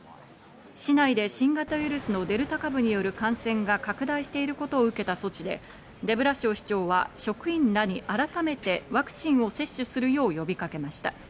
市内で新型ウイルスのデルタ株による感染が拡大していることを受けた措置で、デブラシオ市長は職員らに改めてワクチンを接種するよう呼びかけました。